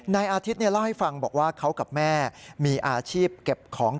นายอาทิตย์เล่าให้ฟังบอกว่าเขากับแม่